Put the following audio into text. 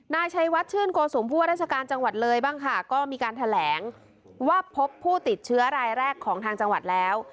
นายชัยวัดชื่นโกสุมผู้ว่าราชการจังหวัดเลยบ้างค่ะก็มีการแถลงว่าพบผู้ติดเชื้อรายแรกของทางจังหวัดแล้ว